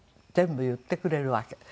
全部言ってくれるわけ。